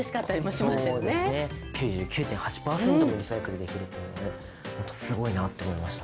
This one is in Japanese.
そうですね９９．８％もリサイクルできるっていうのがねすごいなって思いました。